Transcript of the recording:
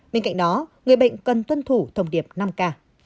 bên cạnh đó người bệnh cần tuân thủ thông điệp năm k